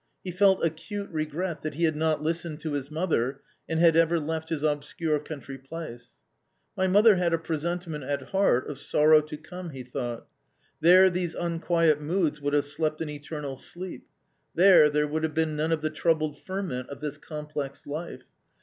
He felt acute regret that he had not listened to his moth er, an d jiad ever left his obscure Country place. il My moFherTiacTa presentiment at heart of sorrow \ n cpme, M he thought ;" there these unquiet moods would have slept an eternal sleep ; there there would have been none of the troubled ferment of this complex life.